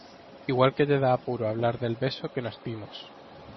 igual que te da apuro hablar del beso que nos dimos.